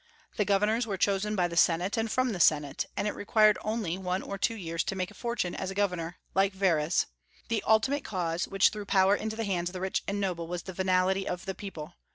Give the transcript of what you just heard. The governors were chosen by the Senate and from the Senate; and it required only one or two years to make a fortune as a governor, like Verres. The ultimate cause which threw power into the hands of the rich and noble was the venality of the people.